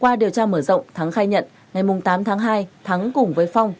qua điều tra mở rộng thắng khai nhận ngày tám tháng hai thắng cùng với phong